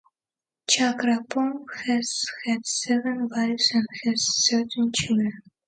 Chakrapong has had seven wives and has thirteen children.